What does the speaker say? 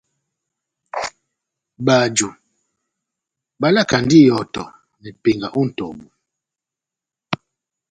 Bajo balakandi ihɔtɔ mepenga ó nʼtɔbu.